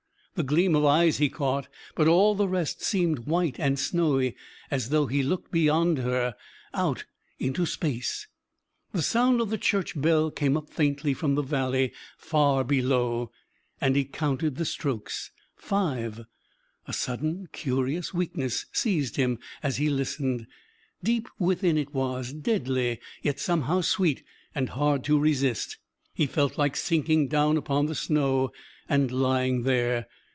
The gleam of eyes he caught, but all the rest seemed white and snowy as though he looked beyond her out into space.... The sound of the church bell came up faintly from the valley far below, and he counted the strokes five. A sudden, curious weakness seized him as he listened. Deep within it was, deadly yet somehow sweet, and hard to resist. He felt like sinking down upon the snow and lying there....